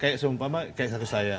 kayak sumpah mbak kayak satu saya